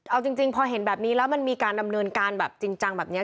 เอาจริงพอเห็นแบบนี้แล้วมันมีการดำเนินการแบบจริงจังแบบนี้